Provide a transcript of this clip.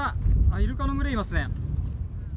イルカの群れ、いますね。